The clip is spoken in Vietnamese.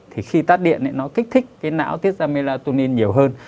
thì khi tắt điện thì nó kích thích cái não tiết ra melatonin nhiều hơn